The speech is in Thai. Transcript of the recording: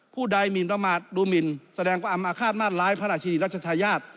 ผู้ใดมินประมาทโดมินแสดงความอาฆาตมาดร้ายพระนาชีพรรชชายาศ